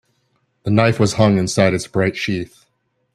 The knife was hung inside its bright sheath.